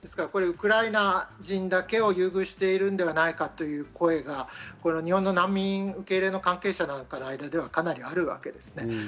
ウクライナ人だけを優遇しているのではないかという声が日本の難民受け入れの関係者の間にはかなりあるわけですね。